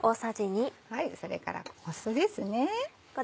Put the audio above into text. それから酢ですね。